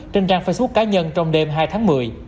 trên trang facebook cá nhân trong đêm hai tháng một mươi